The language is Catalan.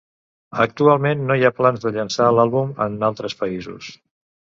Actualment no hi ha plans de llançar l'àlbum en altres països.